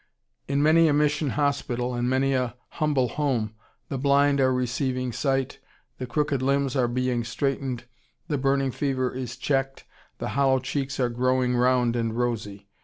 In many a mission hospital and many a humble home the blind are receiving sight, the crooked limbs are being straightened, the burning fever is checked, the hollow cheeks are growing round and rosy.